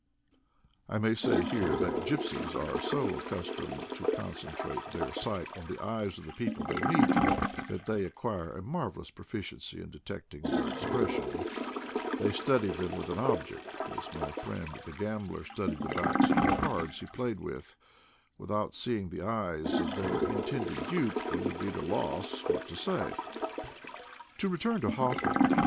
1 " I may say here that gypsies are so accustomed to concentrate their sight on the eyes of the people they meet that they acquire a marvelous profi ciency in detecting their expression; they study them with an object, as my friend the gambler studied the backs of the cards he played with; without seeing the eyes of their intended dupe they would be at a loss what to say. , To return to Hawthorne.